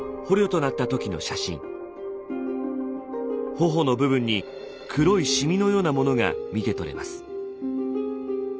頬の部分に黒いシミのようなものが見てとれます。